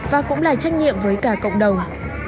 và cũng là trách nhiệm với cả cộng đồng